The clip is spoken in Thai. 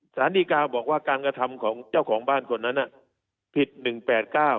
สารดีกาบอกว่าการกระทำของเจ้าของบ้านคนนั้นน่ะผิดหนึ่งแปดเก้า